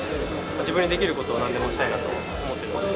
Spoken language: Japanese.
自分にできることは何でもしたいなと思ってるので。